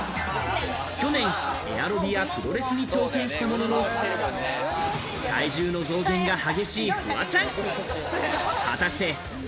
去年、エアロビやプロレスに挑戦したものの、体重の増減が激しいフワちゃん。